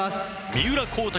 三浦孝太